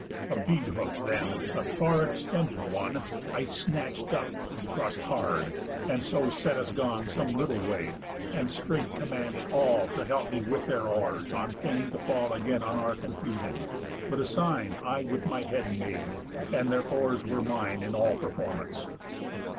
A bead hook then, a far extended one, I snatch'd up, thrust hard, and so set us gone Some little way; and straight commanded all To help me with their oars, on pain to fall Again on our confusion. But a sign I with my head made, and their oars were mine In all performance.